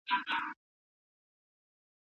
په لاهور کي څه پېښ سول؟